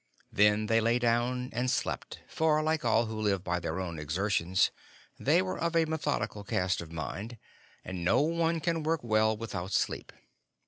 Then they lay down and slept, for, like all who live by their own exertions, they were of a methodical cast of mind; and no one can work well without sleep.